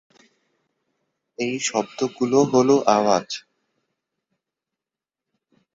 এই শব্দগুলো হলো আওয়াজ।